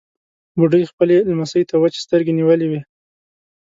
بوډۍ خپلې لمسۍ ته وچې سترګې نيولې وې.